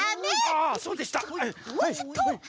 ああそうでした！